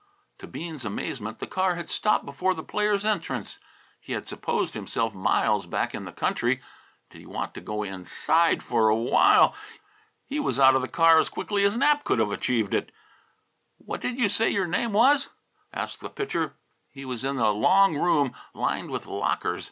To Bean's amazement the car had stopped before the players' entrance. He had supposed himself miles back in the country. Did he want to go inside for a while! He was out of the car as quickly as Nap could have achieved it. "What did you say your name was?" asked the Pitcher. He was in a long room lined with lockers.